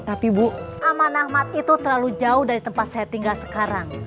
tapi bu aman ahmad itu terlalu jauh dari tempat saya tinggal sekarang